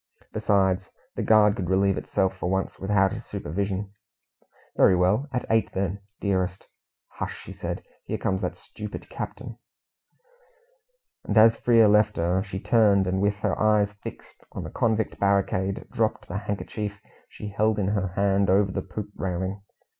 Besides, the guard could relieve itself for once without his supervision. "Very well, at eight then, dearest." "Hush!" said she. "Here comes that stupid captain." And as Frere left her, she turned, and with her eyes fixed on the convict barricade, dropped the handkerchief she held in her hand over the poop railing.